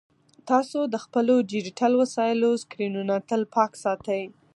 تاسو د خپلو ډیجیټل وسایلو سکرینونه تل پاک ساتئ.